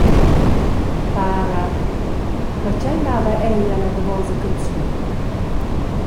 Para …» «Per tgei mava ei ella davosa canzun?